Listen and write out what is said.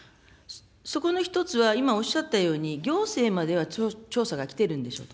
そこの一つは、今おっしゃったように、行政までは調査が来ているんでしょうと。